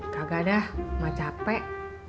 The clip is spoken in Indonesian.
kagak dah mah capek